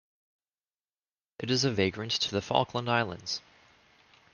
It is a vagrant to the Falkland Islands.